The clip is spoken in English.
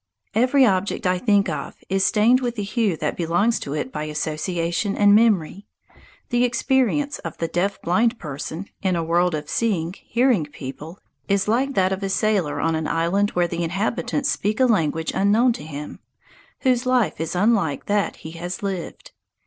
Every object I think of is stained with the hue that belongs to it by association and memory. The experience of the deaf blind person, in a world of seeing, hearing people, is like that of a sailor on an island where the inhabitants speak a language unknown to him, whose life is unlike that he has lived.